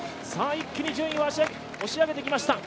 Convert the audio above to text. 一気に順位を押し上げてきました。